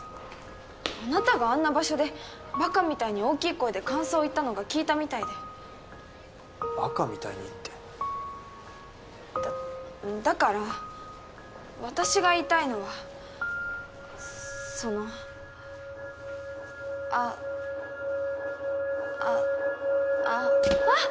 あなたがあんな場所でバカみたいに大きい声で感想を言ったのが効いたみたいでバカみたいにってだだから私が言いたいのはそのあっあっあっあっ！